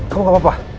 kamu gak apa apa